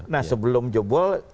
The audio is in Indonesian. nah sebelum jebol